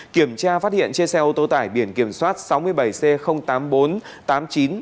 kiểm tra phát hiện trên xe ô tô tải biển kiểm soát sáu mươi bảy c tám mươi bốn